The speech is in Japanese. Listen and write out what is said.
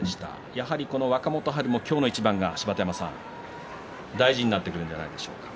やはり若元春も今日の一番が大事になってくるんじゃないでしょうか。